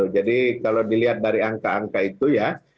jadi kalau dilihat dari angka angka itu ya